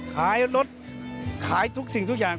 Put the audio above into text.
ขายรถขายทุกสิ่งทุกอย่าง